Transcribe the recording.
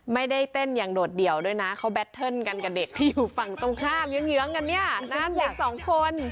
ไม่ได้เต้นอย่างโดดเดี่ยวด้วยนะเขาแบตเทิร์นกันกับเด็กที่อยู่ฝั่งตรงข้ามเยื้องกันเนี่ยเด็กสองคน